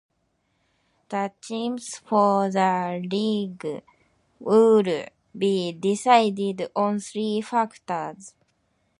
The teams for the league would be decided on three factors.